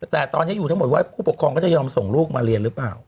แต่ตอนนี้อยู่ทั้งหมดว่าผู้ปกครองก็จะยอมส่งลูกมาเรียนหรือเปล่า